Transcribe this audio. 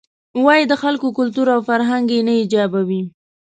وایې د خلکو کلتور او فرهنګ یې نه ایجابوي.